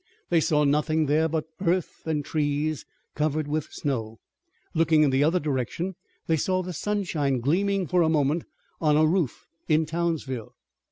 They saw nothing there but earth and trees covered with snow. Looking in the other direction they saw the sunshine gleaming for a moment on a roof in Townsville.